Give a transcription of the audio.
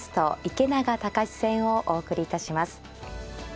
池永天志戦をお送りいたします。